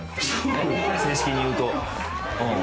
正式に言うと。